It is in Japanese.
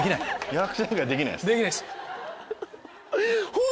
役者以外できないです。